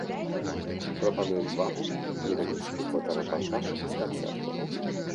Прапануем вам невялічкі фотарэпартаж з канцэрту.